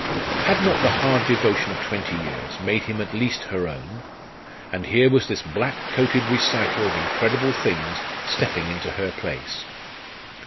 Had not the hard devotion of twenty years made him at least her own? And here was this black coated reciter of incredible things stepping into her place.